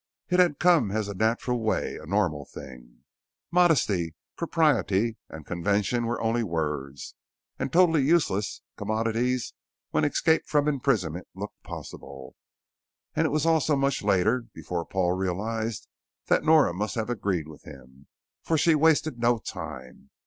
It had come as a natural way, a normal thing. Modesty, propriety, and convention were only words, and totally useless commodities when escape from imprisonment looked possible. And it was also much later before Paul realized that Nora must have agreed with him, for she wasted no time.